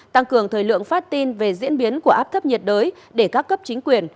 tăng cường thời lượng phát tin về diễn biến của áp thấp nhiệt đới để các cấp chính quyền